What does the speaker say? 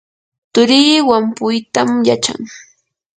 turii wampuytam yachan.